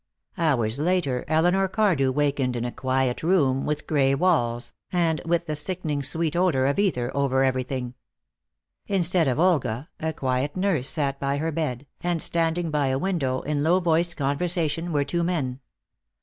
Hours later Elinor Cardew wakened in a quiet room with gray walls, and with the sickening sweet odor of ether over everything. Instead of Olga a quiet nurse sat by her bed, and standing by a window, in low voiced conversation, were two men.